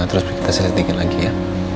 terus kita setinggi tinggi lagi ya